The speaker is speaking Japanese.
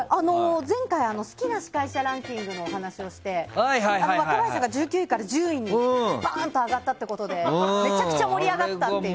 前回好きな司会者ランキングの話をして若林さんが１９位から１０位に上がったってことでめちゃくちゃ盛り上がったっていう。